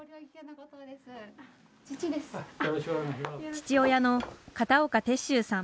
父親の片岡鉄舟さん